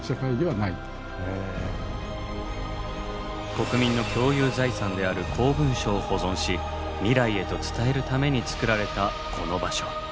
国民の共有財産である公文書を保存し未来へと伝えるために作られたこの場所。